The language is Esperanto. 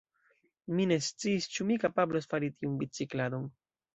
Mi ne sciis ĉu mi kapablos fari tiun bicikladon.